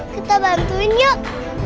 kita bantuin yuk